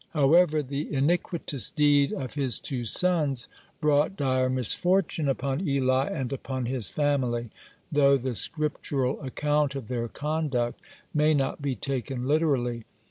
(25) However, the iniquitous deed of his two sons brought dire misfortune upon Eli and upon his family, though the Scriptural account of their conduct may not be taken literally.